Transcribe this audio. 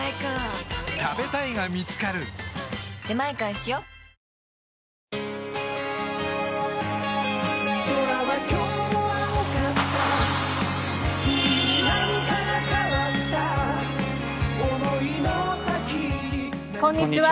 こんにちは。